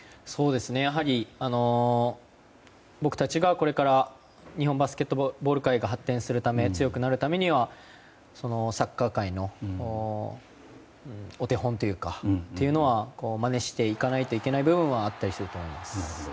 やはり僕たちがこれから日本バスケットボール界が発展するため、強くなるためにはサッカー界のお手本というかそれはまねしていかないといけない部分はあったりすると思います。